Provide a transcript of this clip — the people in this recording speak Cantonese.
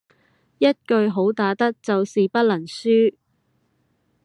一句好打得就是不能輸